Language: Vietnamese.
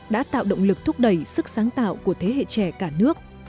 đã tạo động lực thúc đẩy sức sáng tạo của thế hệ trẻ cả nước